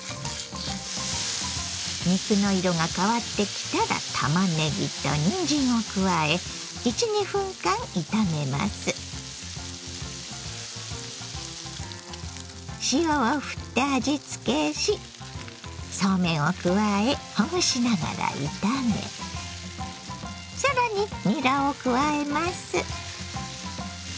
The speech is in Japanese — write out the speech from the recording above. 肉の色が変わってきたらたまねぎとにんじんを加え塩をふって味つけしそうめんを加えほぐしながら炒め更ににらを加えます。